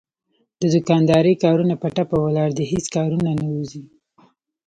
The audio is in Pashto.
د دوکاندارۍ کارونه په ټپه ولاړ دي هېڅ کارونه نه وځي.